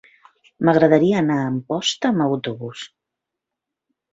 M'agradaria anar a Amposta amb autobús.